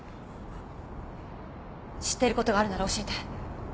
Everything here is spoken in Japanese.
知っていることがあるなら教えて。